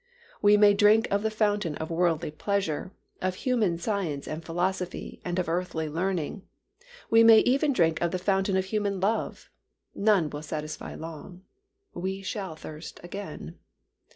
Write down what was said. We may drink of the fountain of worldly pleasure, of human science and philosophy and of earthly learning, we may even drink of the fountain of human love, none will satisfy long; we shall thirst again.